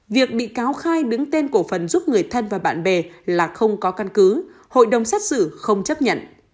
việc bị cáo khai đứng tên cổ phần giúp người thân và bạn bè là không có căn cứ hội đồng xét xử không chấp nhận